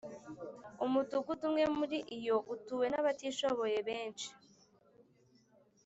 Umudugudu umwe muri iyo utuwe n’abatishoboye benshi